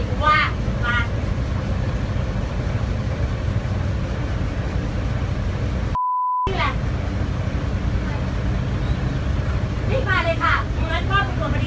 ก็ไม่มีเวลาให้กลับมาที่นี่